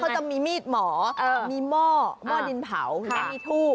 เขาจะมีมีดหมอมีหม้อหม้อดินเผาและมีทูบ